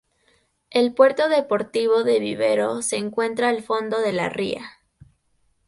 El Puerto Deportivo de Vivero se encuentra al fondo de la ría.